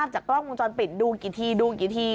จากกล้องมุมจรปิดดูกี่ที